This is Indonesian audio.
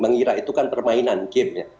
mereka mengira itu kan permainan game